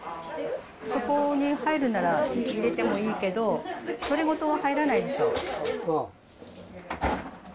そこに入るなら入れててもいいけど、それごとは入らないでしょ？